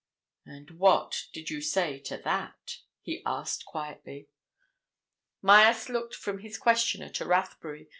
"And what did you say to that?" he asked quietly. Myerst looked from his questioner to Rathbury.